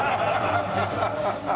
ハハハハハ。